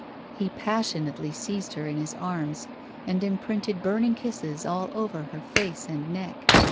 He passionately seized her in his arras and imprinted burning kisses all over her face and neck.